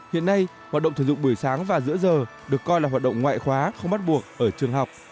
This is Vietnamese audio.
hiện nay hoạt động thể dục buổi sáng và giữa giờ được coi là hoạt động ngoại khóa không bắt buộc ở trường học